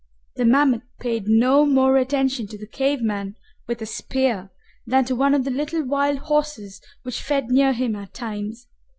The mammoth paid no more attention to the cave man with a spear than to one of the little wild horses which fed near him at times.